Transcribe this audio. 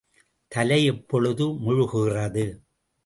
தலை எப்பொழுது முழுகுகிறது?